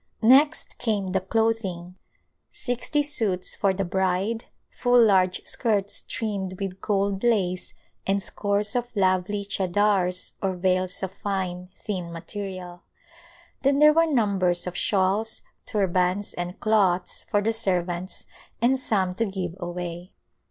Next came the clothing — sixty suits for the bride, full large skirts trimmed with gold lace and scores of lovely chadars or veils of fine, thin material. Then there were numbers of shawls, turbans and cloths for the servants and some to give away.